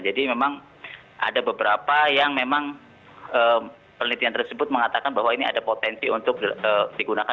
jadi memang ada beberapa yang memang penelitian tersebut mengatakan bahwa ini ada potensi untuk digunakan